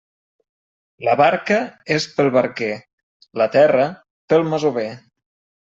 La barca és pel barquer; la terra, pel masover.